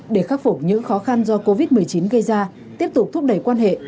để khắc phục những khó khăn do covid một mươi chín gây ra tiếp tục thúc đẩy quan hệ